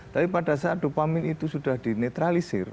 tapi pada saat dopamin itu sudah dinetralisir